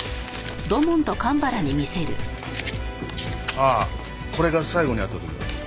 ああこれが最後に会った時の。